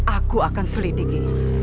aku akan selidiki